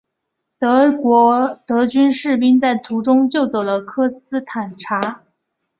德军士兵在途中救走了科斯坦察。